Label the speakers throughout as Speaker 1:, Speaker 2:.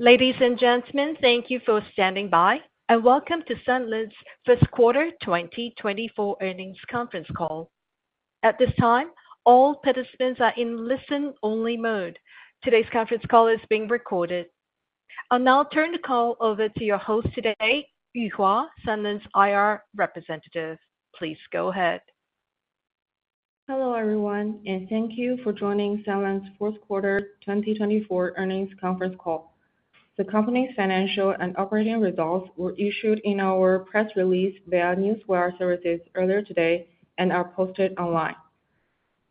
Speaker 1: Ladies and gentlemen, thank you for standing by, and welcome to Sunlands' Q1 2024 Earnings Conference Call. At this time, all participants are in listen-only mode. Today's conference call is being recorded. I'll now turn the call over to your host today, Yuhua, Sunlands' IR representative. Please go ahead.
Speaker 2: Hello, everyone, and thank you for joining Sunlands' Q1 2024 earnings conference call. The company's financial and operating results were issued in our press release via newswire services earlier today and are posted online.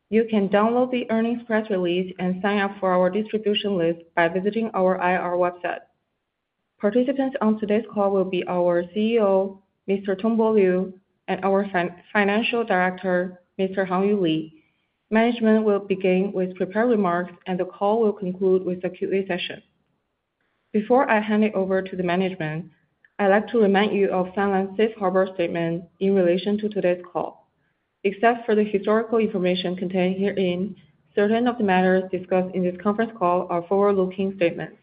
Speaker 2: You can download the earnings press release and sign up for our distribution list by visiting our IR website. Participants on today's call will be our CEO, Mr. Tongbo Liu, and our financial director, Mr. Hangyu Li. Management will begin with prepared remarks, and the call will conclude with the QA session. Before I hand it over to the management, I'd like to remind you of Sunlands' safe harbor statement in relation to today's call. Except for the historical information contained herein, certain of the matters discussed in this conference call are forward-looking statements.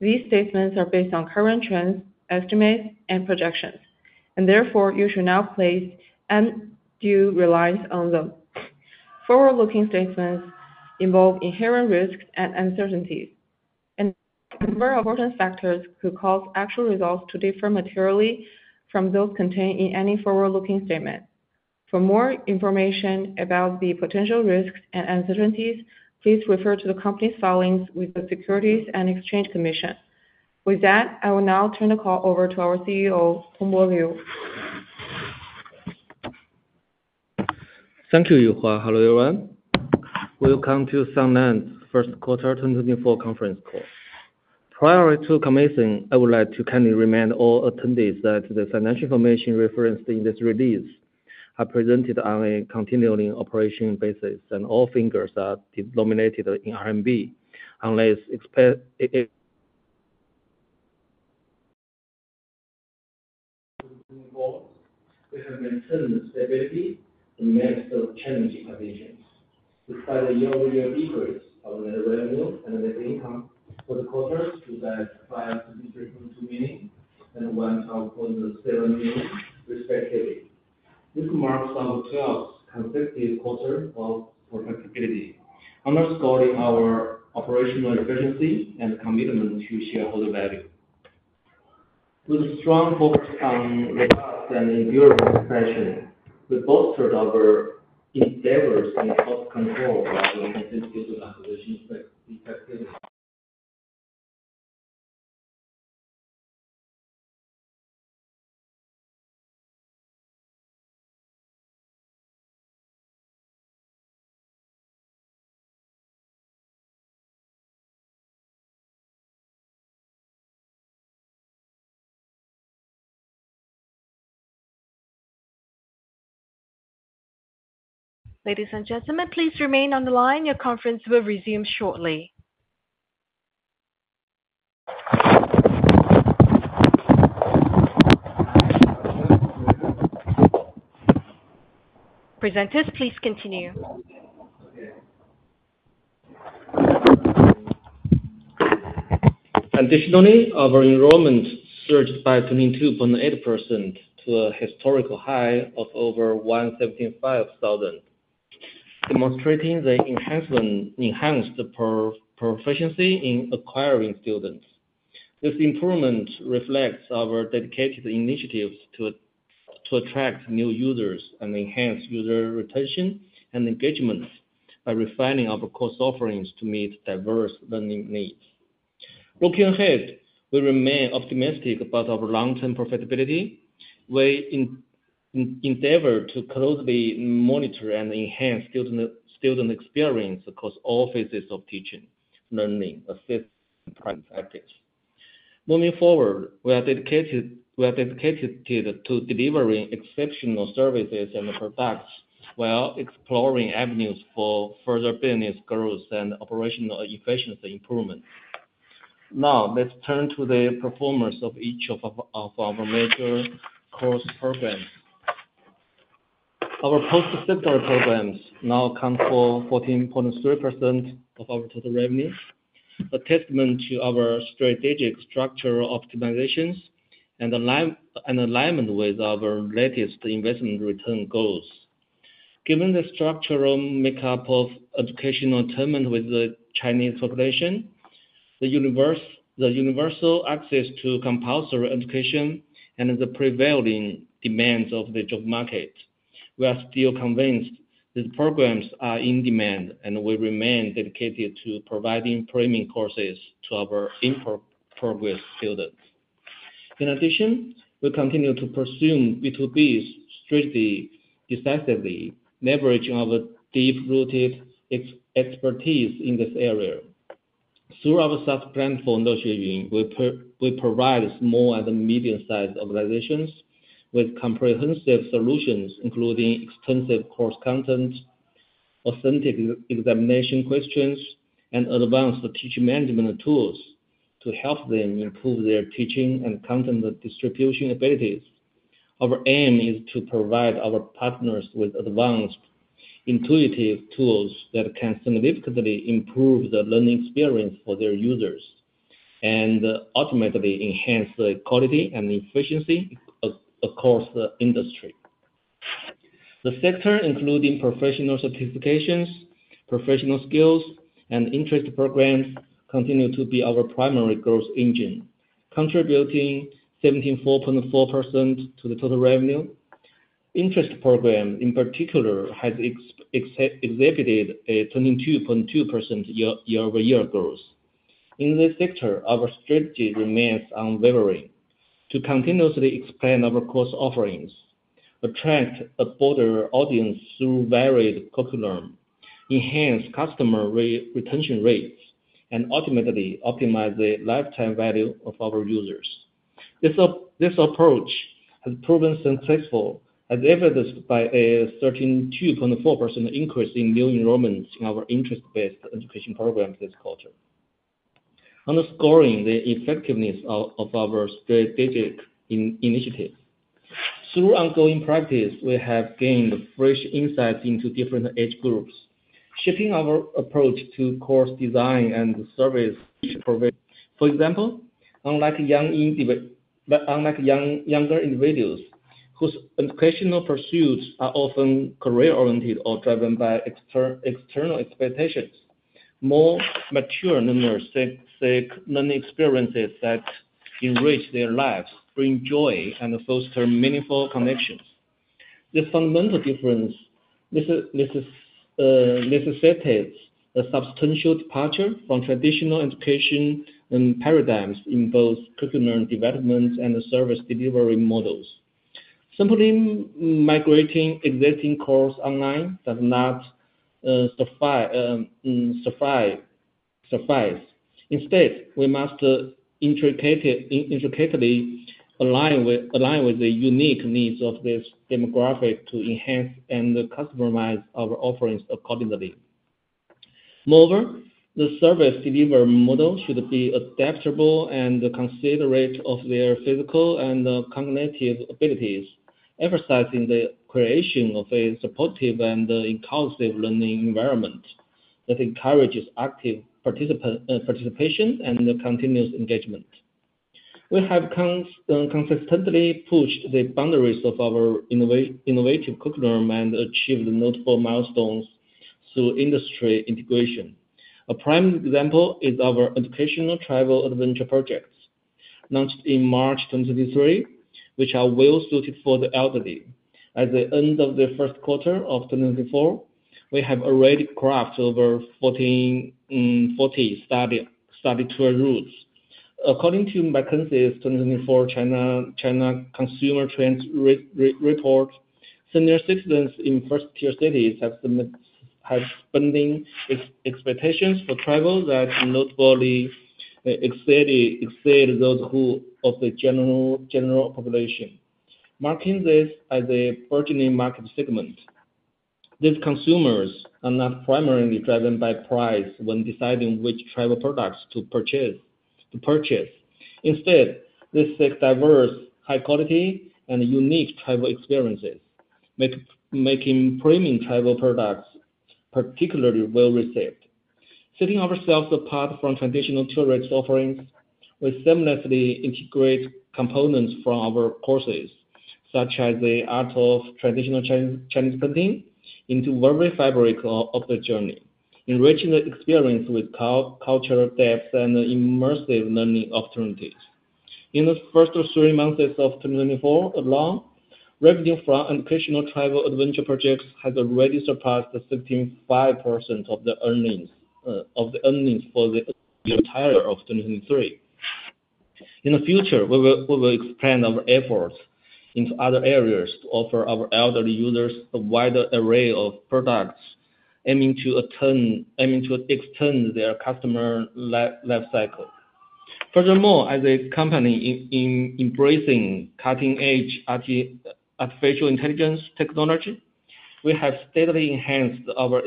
Speaker 2: These statements are based on current trends, estimates, and projections, and therefore you should not place undue reliance on them. Forward-looking statements involve inherent risks and uncertainties, and numerous important factors could cause actual results to differ materially from those contained in any forward-looking statement. For more information about the potential risks and uncertainties, please refer to the company's filings with the Securities and Exchange Commission. With that, I will now turn the call over to our CEO, Tongbo Liu.
Speaker 3: Thank you, Yuhua. Hello, everyone. Welcome to Sunlands' Q1 2024 Conference Call. Prior to commencing, I would like to kindly remind all attendees that the financial information referenced in this release are presented on a continuing operating basis, and all figures are denominated in RMB unless. We have maintained stability in the midst of challenging conditions. Despite a year-over-year decrease of net revenue and net income for the quarter to 532 million and 100.7 million, respectively. This marks our twelfth consecutive quarter of profitability, underscoring our operational efficiency and commitment to shareholder value. With a strong focus on returns and enduring expression, we bolstered our endeavors in cost control while maintaining acquisition effectively.
Speaker 1: Ladies and gentlemen, please remain on the line. Your conference will resume shortly. Presenters, please continue.
Speaker 3: Additionally, our enrollment surged by 22.8% to a historical high of over 175,000, demonstrating enhanced proficiency in acquiring students. This improvement reflects our dedicated initiatives to attract new users and enhance user retention and engagement by refining our course offerings to meet diverse learning needs. Looking ahead, we remain optimistic about our long-term profitability. We endeavor to closely monitor and enhance student experience across all phases of teaching, learning, assessment, and practice. Moving forward, we are dedicated to delivering exceptional services and products while exploring avenues for further business growth and operational efficiency improvement. Now, let's turn to the performance of each of our major course programs. Our post-secondary programs now account for 14.3% of our total revenue, a testament to our strategic structural optimizations and alignment with our latest investment return goals. Given the structural makeup of educational terrain with the Chinese population, the universal access to compulsory education and the prevailing demands of the job market, we are still convinced these programs are in demand, and we remain dedicated to providing premium courses to our in-progress students. In addition, we continue to pursue B2Bs strictly, effectively, leveraging our deep-rooted expertise in this area. Through our soft-brand for Knowledge Shares, we provide small and medium-sized organizations with comprehensive solutions, including extensive course content, authentic examination questions, and advanced teaching management tools to help them improve their teaching and content distribution abilities.... Our aim is to provide our partners with advanced, intuitive tools that can significantly improve the learning experience for their users, and ultimately enhance the quality and efficiency of operations across the industry. The sector, including professional certifications, professional skills, and interest programs, continue to be our primary growth engine, contributing 74.4% to the total revenue. Interest program, in particular, has exhibited a 22.2% year-over-year growth. In this sector, our strategy remains unwavering to continuously expand our course offerings, attract a broader audience through varied curriculum, enhance customer retention rates, and ultimately optimize the lifetime value of our users. This approach has proven successful, as evidenced by a 13.4% increase in new enrollments in our interest-based education program this quarter, underscoring the effectiveness of our strategic initiative. Through ongoing practice, we have gained fresh insights into different age groups, shaping our approach to course design and service provision. For example, unlike young, younger individuals, whose educational pursuits are often career-oriented or driven by external expectations, more mature learners seek learning experiences that enrich their lives, bring joy, and foster meaningful connections. This fundamental difference necessitates a substantial departure from traditional education and paradigms in both curriculum development and service delivery models. Simply migrating existing course online does not suffice. Instead, we must intricately align with the unique needs of this demographic to enhance and customize our offerings accordingly. Moreover, the service delivery model should be adaptable and considerate of their physical and cognitive abilities, emphasizing the creation of a supportive and inclusive learning environment that encourages active participation and continuous engagement. We have consistently pushed the boundaries of our innovative curriculum and achieved notable milestones through industry integration. A prime example is our educational travel adventure projects, launched in March 2023, which are well suited for the elderly. At the end of the Q1 of 2024, we have already crafted over 40 study tour routes. According to McKinsey's 2024 China Consumer Trends report, senior citizens in first-tier cities have spending expectations for travel that notably exceed those of the general population, marking this as a burgeoning market segment. These consumers are not primarily driven by price when deciding which travel products to purchase. Instead, they seek diverse, high quality, and unique travel experiences, making premium travel products particularly well received. Setting ourselves apart from traditional tourist offerings, we seamlessly integrate components from our courses, such as the art of traditional Chinese painting, into very fabric of the journey, enriching the experience with cultural depth and immersive learning opportunities. In the first three months of 2024 alone, revenue from educational travel adventure projects has already surpassed the 15.5% of the earnings for the entire 2023. In the future, we will, we will expand our efforts into other areas to offer our elderly users a wider array of products, aiming to extend their customer life cycle. Furthermore, as a company in embracing cutting-edge artificial intelligence technology, we have steadily enhanced our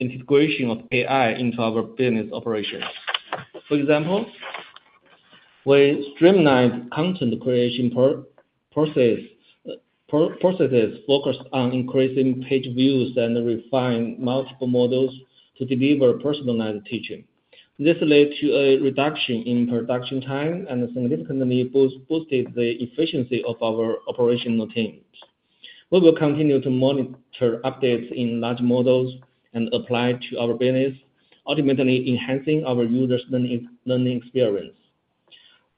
Speaker 3: integration of AI into our business operations. For example, we streamlined content creation processes focused on increasing page views and refine multiple models to deliver personalized teaching. This led to a reduction in production time and significantly boosted the efficiency of our operational teams. We will continue to monitor updates in large models and apply to our business, ultimately enhancing our users' learning experience.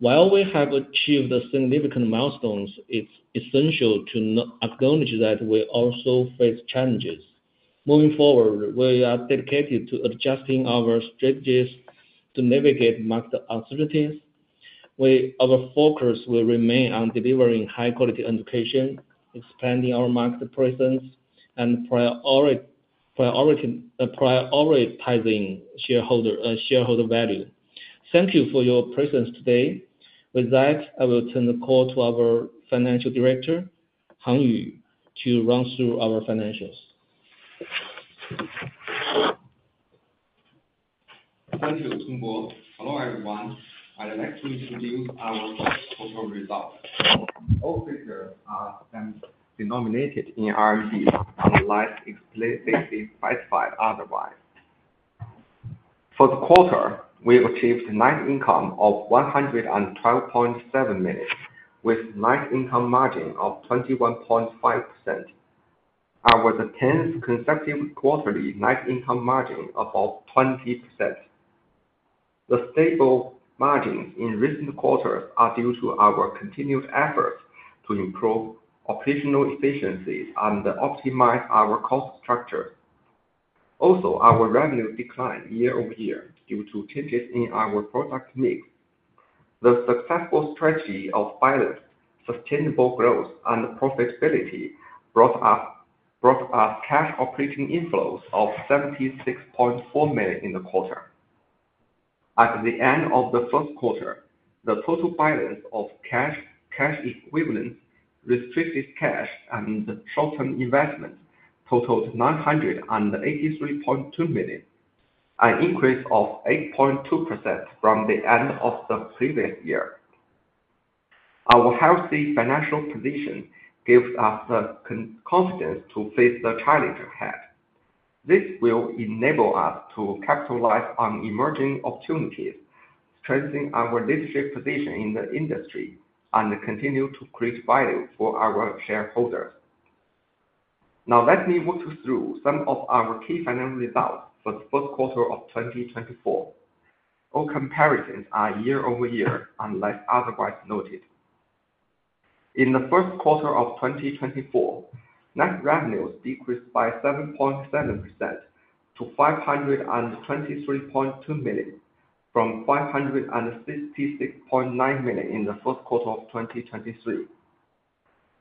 Speaker 3: While we have achieved significant milestones, it's essential to acknowledge that we also face challenges. Moving forward, we are dedicated to adjusting our strategies to navigate market uncertainties. Our focus will remain on delivering high quality education, expanding our market presence, and prioritizing shareholder value. Thank you for your presence today. With that, I will turn the call to our financial director, Hangyu Li, to run through our financials....
Speaker 4: Thank you, Tongbo. Hello, everyone. I'd like to introduce our Q1 results. All figures are denominated in RMB, unless explicitly specified otherwise. For the quarter, we achieved net income of 112.7 million, with net income margin of 21.5%. Our tenth consecutive quarterly net income margin above 20%. The stable margins in recent quarters are due to our continued efforts to improve operational efficiencies and optimize our cost structure. Also, our revenue declined year-over-year due to changes in our product mix. The successful strategy of balanced, sustainable growth and profitability brought us, brought us cash operating inflows of 76.4 million in the quarter. At the end of the Q1, the total balance of cash, cash equivalents, restricted cash, and short-term investments totaled 983.2 million, an increase of 8.2% from the end of the previous year. Our healthy financial position gives us the confidence to face the challenge ahead. This will enable us to capitalize on emerging opportunities, strengthening our leadership position in the industry and continue to create value for our shareholders. Now, let me walk you through some of our key financial results for the Q1 of 2024. All comparisons are year-over-year, unless otherwise noted. In the Q1 of 2024, net revenues decreased by 7.7% to 523.2 million, from 566.9 million in the Q1 of 2023.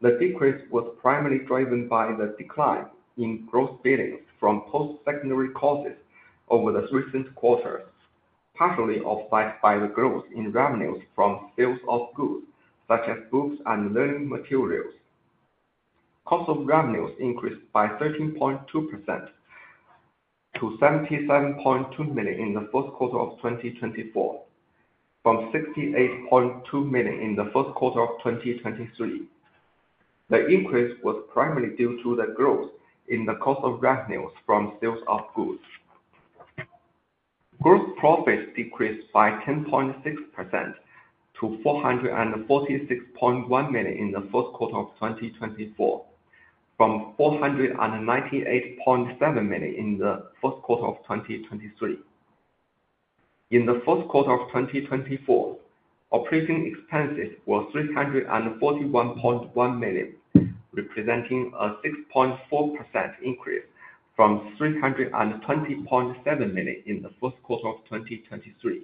Speaker 4: The decrease was primarily driven by the decline in gross billings from post-secondary courses over the recent quarters, partially offset by the growth in revenues from sales of goods, such as books and learning materials. Cost of revenues increased by 13.2% to 77.2 million in the Q1 of 2024, from 68.2 million in the Q1 of 2023. The increase was primarily due to the growth in the cost of revenues from sales of goods. Gross profits decreased by 10.6% to 446.1 million in the Q1 of 2024, from 498.7 million in the Q1 of 2023. In the Q1 of 2024, operating expenses were 341.1 million, representing a 6.4% increase from 320.7 million in the Q1 of 2023.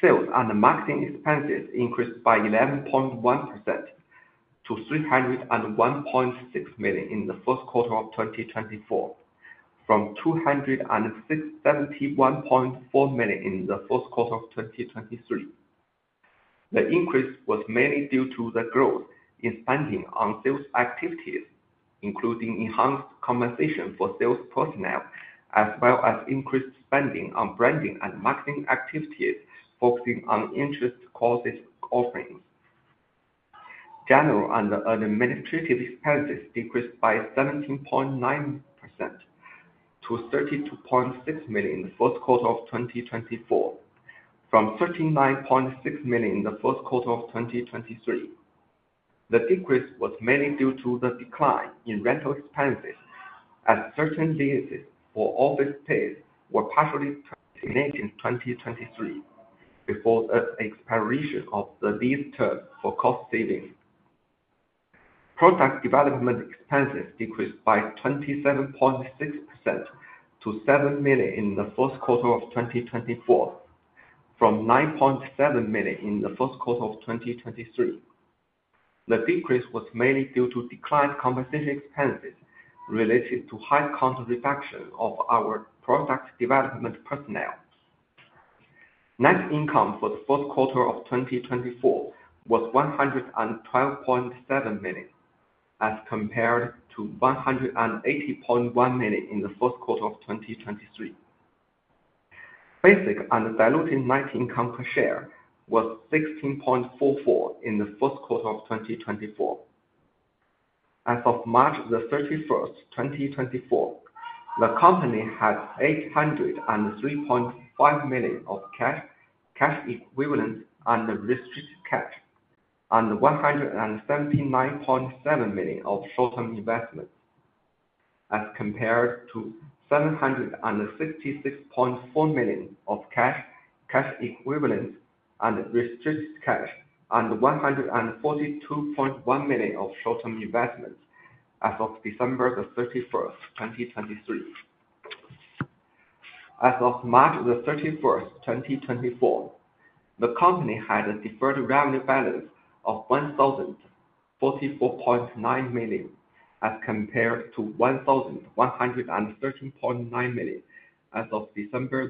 Speaker 4: Sales and marketing expenses increased by 11.1% to 301.6 million in the Q1 of 2024, from 271.4 million in the Q1 of 2023. The increase was mainly due to the growth in spending on sales activities, including enhanced compensation for sales personnel, as well as increased spending on branding and marketing activities, focusing on interest courses offerings. General and administrative expenses decreased by 17.9% to 32.6 million in the Q1 of 2024, from 39.6 million in the Q1 of 2023. The decrease was mainly due to the decline in rental expenses, as certain leases for office space were partially terminated in 2023 before the expiration of the lease term for cost savings. Product development expenses decreased by 27.6% to 7 million in the Q1 of 2024, from 9.7 million in the Q1 of 2023. The decrease was mainly due to declined compensation expenses related to high contribution of our product development personnel. Net income for the Q1 of 2024 was 112.7 million, as compared to 180.1 million in the Q1 of 2023. Basic and diluted net income per share was 16.44 in the Q1 of 2024. As of 31 March, 2024, the company had 803.5 million of cash, cash equivalents, and restricted cash, and 179.7 million of short-term investments, as compared to RMB 766.4 million of cash, cash equivalents, and restricted cash, and 142.1 million of short-term investments as of 31 December, 2023. As of 31 March, 2024, the company had a deferred revenue balance of 1,044.9 million, as compared to 1,113.9 million as of 31 December,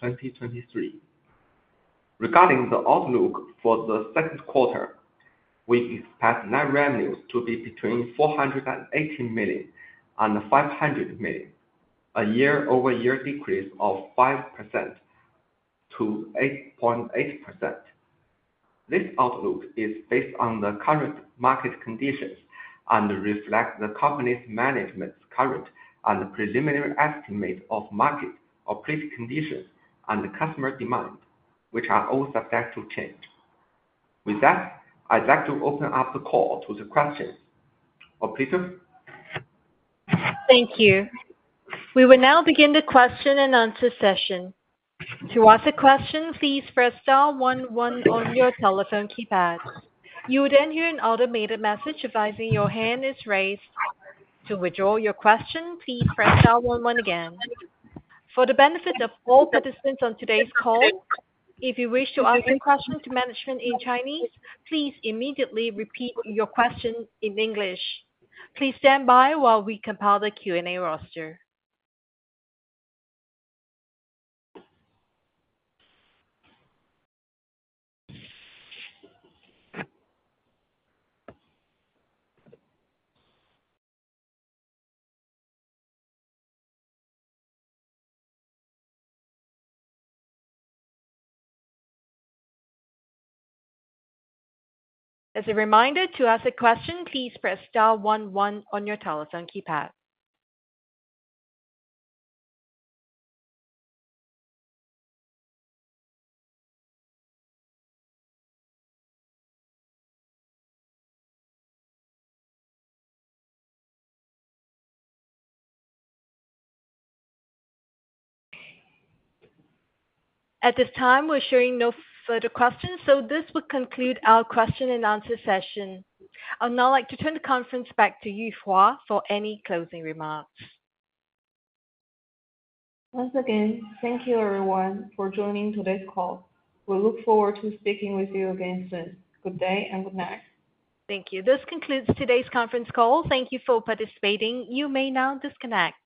Speaker 4: 2023. Regarding the outlook for the Q2, we expect net revenues to be between 480 million and 500 million, a year-over-year decrease of 5% to 8.8%. This outlook is based on the current market conditions and reflect the company's management's current and preliminary estimate of market operating conditions and customer demand, which are all subject to change. With that, I'd like to open up the call to the questions. Operator?
Speaker 1: Thank you. We will now begin the question and answer session. To ask a question, please press star one one on your telephone keypad. You will then hear an automated message advising your hand is raised. To withdraw your question, please press star one one again. For the benefit of all participants on today's call, if you wish to ask your question to management in Chinese, please immediately repeat your question in English. Please stand by while we compile the Q&A roster. As a reminder, to ask a question, please press star one one on your telephone keypad. At this time, we're showing no further questions, so this would conclude our question and answer session. I'd now like to turn the conference back to you, Hua, for any closing remarks.
Speaker 2: Once again, thank you, everyone, for joining today's call. We look forward to speaking with you again soon. Good day and good night.
Speaker 1: Thank you. This concludes today's conference call. Thank you for participating. You may now disconnect.